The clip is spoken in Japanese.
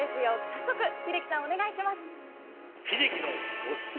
早速英樹さんお願いします。